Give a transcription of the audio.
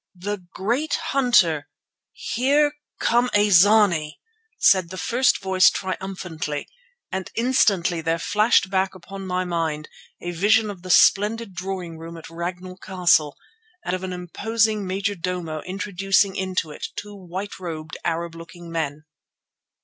"The great hunter, Here come a zany," said the first voice triumphantly, and instantly there flashed back upon my mind a vision of the splendid drawing room at Ragnall Castle and of an imposing majordomo introducing into it two white robed, Arab looking men.